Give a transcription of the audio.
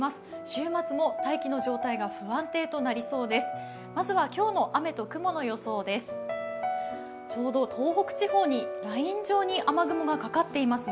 週末も大気の状態が不安定となりそうです。